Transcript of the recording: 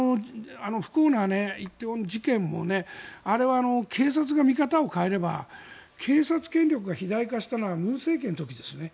不幸な梨泰院事件もあれは警察が見方を変えれば警察権力が肥大化したのは文政権の時ですね。